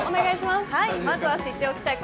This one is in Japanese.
まずは知っておきたい